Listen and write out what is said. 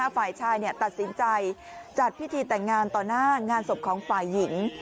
ฝ่ายชายตัดสินใจจัดพิธีแต่งงานต่อหน้างานศพของฝ่ายหญิง